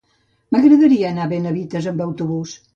M'agradaria anar a Benavites amb autobús.